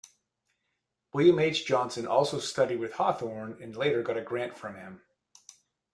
William H. Johnson also studied with Hawthorne and later got a grant from him.